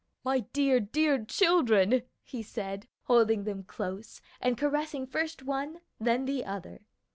"My dear, dear children!" he said, holding them close, and caressing first one, then the other.